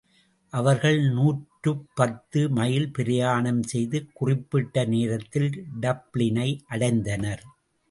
அவர்கள் நூற்றுப் பத்து மைல் பிரயாணம் செய்து குறிப்பிட்ட நேரத்தில் டப்ளினை அடைந்தனர்.